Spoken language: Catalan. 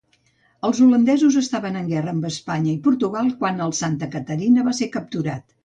Els holandesos estaven en guerra amb Espanya i Portugal quan el Santa Catarina va ser capturat.